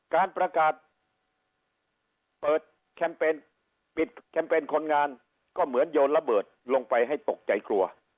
การประกาศเปิดแคมเปญปิดแคมเปญคนงานก็เหมือนโยนระเบิดลงไปให้ตกใจกลัว